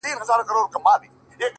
بيا تس ته سپكاوى كوي بدرنگه ككــرۍ!